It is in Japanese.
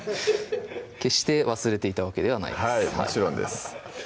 決して忘れていたわけではないはいもちろんです